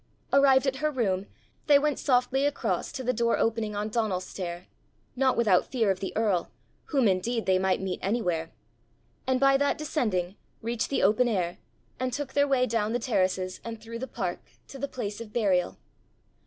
Arrived at her room, they went softly across to the door opening on Donal's stair not without fear of the earl, whom indeed they might meet anywhere and by that descending, reached the open air, and took their way down the terraces and through the park to the place of burial.